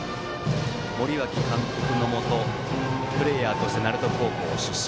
森脇監督のもとプレーヤーとして鳴門高校出身。